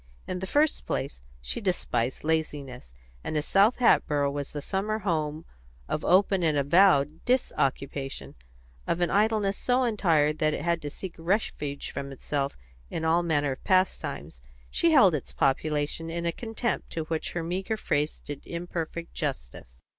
In the first place, she despised laziness, and as South Hatboro' was the summer home of open and avowed disoccupation, of an idleness so entire that it had to seek refuge from itself in all manner of pastimes, she held its population in a contempt to which her meagre phrase did imperfect justice.